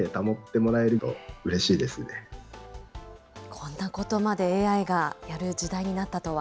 こんなことまでＡＩがやる時代になったとは。